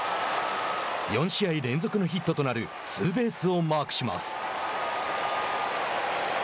４試合連続のヒットとなるツーベースをマークします。